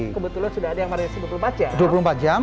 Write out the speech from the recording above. kebetulan sudah ada yang marinasi dua puluh empat jam